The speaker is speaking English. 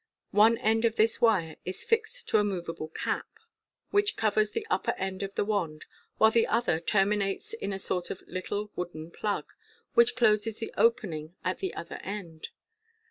One end of this wire is fixed to a moveable cap, which covers the upper end of the wand, while the other terminates in a sort of little wooden plug, which closes the opening at the other ~~\ct J, end.